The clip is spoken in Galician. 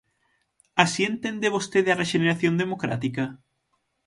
¿Así entende vostede a rexeneración democrática?